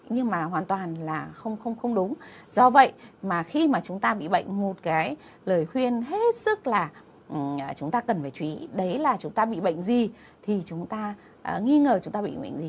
nhưng mà hoàn toàn là không đúng do vậy mà khi mà chúng ta bị bệnh một cái lời khuyên hết sức là chúng ta cần phải chú ý đấy là chúng ta bị bệnh gì thì chúng ta nghi ngờ chúng ta bị bệnh gì